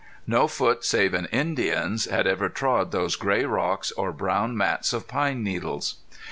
No foot save an Indian's had ever trod those gray rocks or brown mats of pine needles.